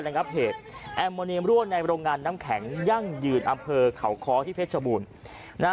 งับเหตุแอมโมเนียมรั่วในโรงงานน้ำแข็งยั่งยืนอำเภอเขาค้อที่เพชรบูรณ์นะฮะ